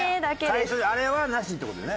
あれはなしって事ね。